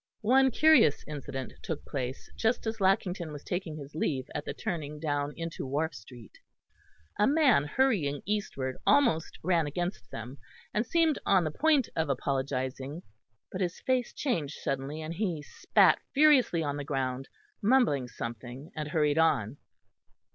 One curious incident took place just as Lackington was taking his leave at the turning down into Wharf Street; a man hurrying eastwards almost ran against them, and seemed on the point of apologising, but his face changed suddenly, and he spat furiously on the ground, mumbling something, and hurried on.